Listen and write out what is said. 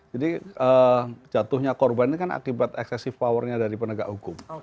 jadi jatuhnya korban ini kan akibat ekstresif powernya dari penegak hukum